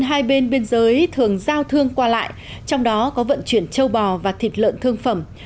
hai bên biên giới thường giao thương qua lại trong đó có vận chuyển châu bò và thịt lợn thương phẩm